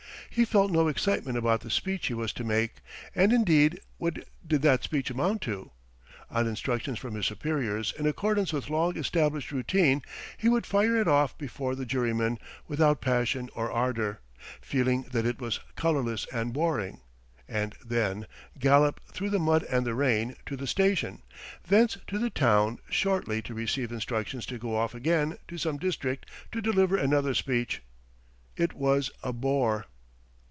He felt no excitement about the speech he was to make, and indeed what did that speech amount to? On instructions from his superiors in accordance with long established routine he would fire it off before the jurymen, without passion or ardour, feeling that it was colourless and boring, and then gallop through the mud and the rain to the station, thence to the town, shortly to receive instructions to go off again to some district to deliver another speech. ... It was a bore!